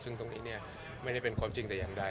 ซึ่งตรงนี้ไม่ได้เป็นความจริงแต่อย่างใด